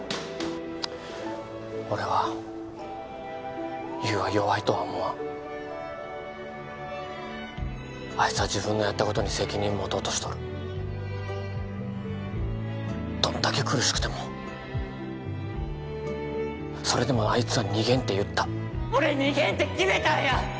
俺は優は弱いとは思わんあいつは自分のやったことに責任を持とうとしとるどんだけ苦しくてもそれでもあいつは逃げんって言った俺逃げんって決めたんや！